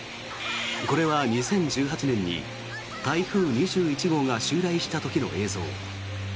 これは２０１８年に台風２１号が襲来した時の映像。